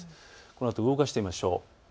このあと動かしてみましょう。